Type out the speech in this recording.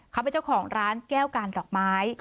เขาเป็นเจ้าของร้านแก้วการดอกไม้